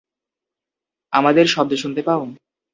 আমাদের শব্দ শুনতে পাও?